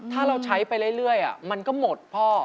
ถ้าเราใช้ไปเรื่อยมันก็หมดพ่อ